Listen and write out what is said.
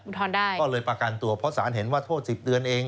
ได้ก็เลยประกันตัวเพราะสารเห็นว่าโทษ๑๐เดือนเอง